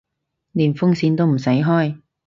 連風扇都唔使開